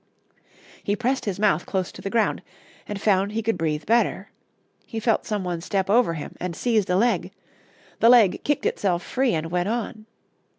He pressed his mouth close to the ground, and found he could breathe better. He felt some one step over him, and seized a leg. The leg kicked itself free and went on.